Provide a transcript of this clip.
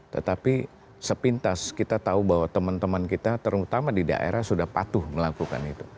tetapi sepintas kita tahu bahwa teman teman kita terutama di daerah sudah patuh melakukan itu